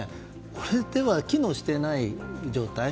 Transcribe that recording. これでは機能していない状態。